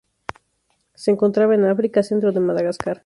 Se encontraba en África: centro de Madagascar.